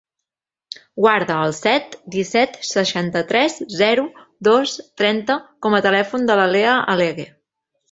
Guarda el set, disset, seixanta-tres, zero, dos, trenta com a telèfon de la Lea Allegue.